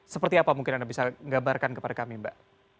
seperti apa mungkin anda bisa gambarkan kepada kami mbak